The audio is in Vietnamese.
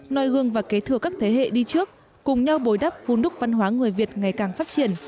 nòi gương và kế thừa các thế hệ đi trước cùng nhau bồi đắp vun đúc văn hóa người việt ngày càng phát triển